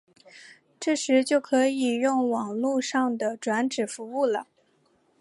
这时就可以用网路上的转址服务了。